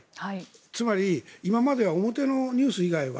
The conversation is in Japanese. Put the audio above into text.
つまり今までは表のニュース以外は